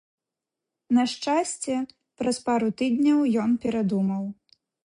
На шчасце, праз пару тыдняў ён перадумаў.